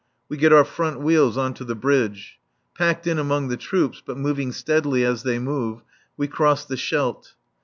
We get our front wheels on to the bridge. Packed in among the troops, but moving steadily as they move, we cross the Scheldt.